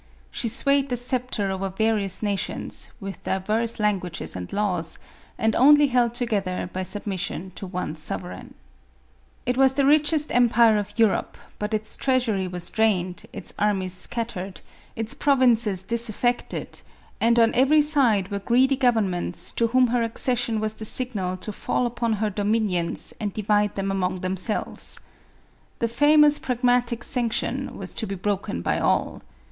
She swayed the sceptre over various nations, with diverse languages and laws, and only held together by sub mission to one sovereign. MARIA THKRE8A. 191 It was tbe richest empire of Europe, but its treasury was drained, its armies scattered, its provinces disaf fected, and, on every side, were greedy governments to whom her accession was the signal to fall upon her dominions and divide them among themselves. The famous Pragmatic Sanction was to be broken by all.